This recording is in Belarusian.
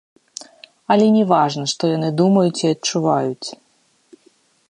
Але не важна, што яны думаюць і адчуваюць.